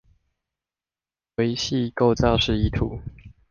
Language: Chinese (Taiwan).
微細構造示意圖